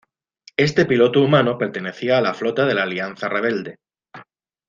Este piloto humano pertenecía a la flota de la Alianza Rebelde.